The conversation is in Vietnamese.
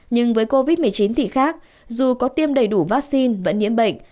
nhưng với covid một mươi chín thì khác dù có tiêm đầy đủ vaccine vẫn nhiễm bệnh